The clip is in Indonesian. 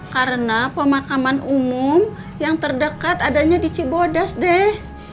karena pemakaman umum yang terdekat adanya di cibodas deh